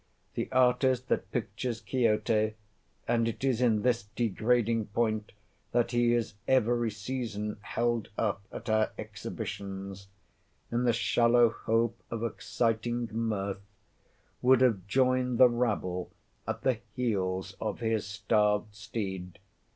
The artist that pictures Quixote (and it is in this degrading point that he is every season held up at our Exhibitions) in the shallow hope of exciting mirth, would have joined the rabble at the heels of his starved steed.